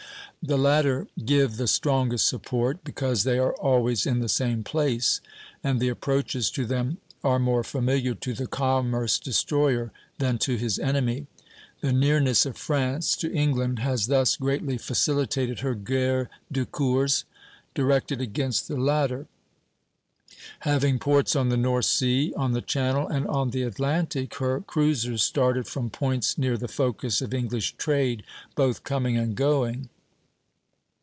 The latter give the strongest support, because they are always in the same place, and the approaches to them are more familiar to the commerce destroyer than to his enemy. The nearness of France to England has thus greatly facilitated her guerre de course directed against the latter. Having ports on the North Sea, on the Channel, and on the Atlantic, her cruisers started from points near the focus of English trade, both coming and going.